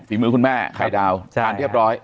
ฝีมือคุณแม่ไข่ดาวทานเรียบร้อย